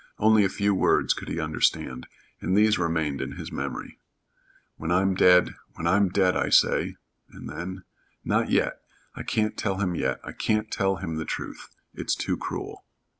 Only a few words could he understand, and these remained in his memory. "When I'm dead when I'm dead, I say." And then, "Not yet. I can't tell him yet. I can't tell him the truth. It's too cruel."